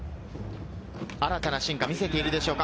新たな進化を見せているでしょうか。